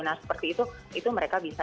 nah seperti itu itu mereka bisa